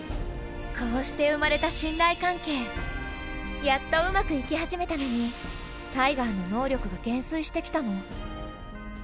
こうして生まれたやっとうまくいき始めたのにタイガーの能力が減衰してきたの。